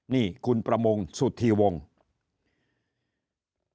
นี่คุณประมงสุธีวงศ์